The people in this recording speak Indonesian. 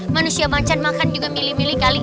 manusia macan makan juga milih milih kali